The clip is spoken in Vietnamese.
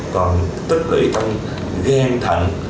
còn tích lũy trong gan thận